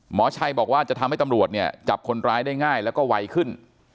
หมอชัยบอกว่าจะทำให้ตำรวจเนี่ยจับคนร้ายได้ง่ายแล้วก็ไวขึ้น